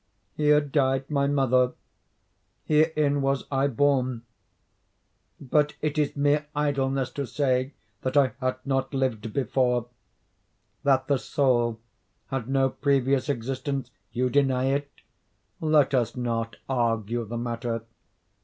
Here died my mother. Herein was I born. But it is mere idleness to say that I had not lived before—that the soul has no previous existence. You deny it?—let us not argue the matter.